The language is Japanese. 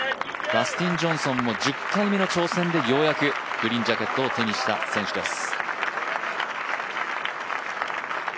ダスティン・ジョンソンも１０回目の挑戦でようやくグリーンジャケットを手にした選手です。